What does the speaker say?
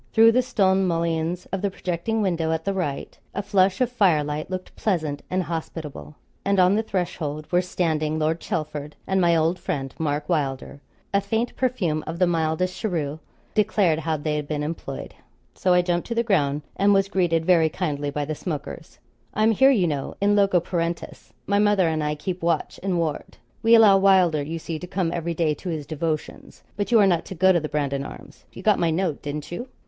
Through the stone mullions of the projecting window at the right, a flush of fire light looked pleasant and hospitable, and on the threshold were standing Lord Chelford and my old friend Mark Wylder; a faint perfume of the mildest cheroot declared how they had been employed. So I jumped to the ground and was greeted very kindly by the smokers. 'I'm here, you know, in loco parentis; my mother and I keep watch and ward. We allow Wylder, you see, to come every day to his devotions. But you are not to go to the Brandon Arms you got my note, didn't you?'